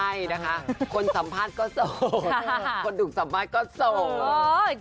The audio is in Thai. ใช่นะคะคนสัมภาษณ์ก็โสดคนถูกสัมภาษณ์ก็โสด